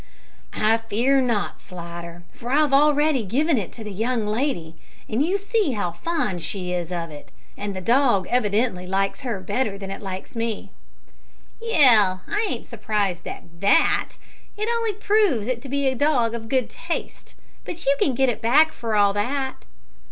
"I fear not Slidder, for I have already given it to the young lady, and you have seen how fond she is of it; and the dog evidently likes her better than it likes me." "Yell, I ain't surprised at that. It on'y proves it to be a dog of good taste; but you can get it back for all that."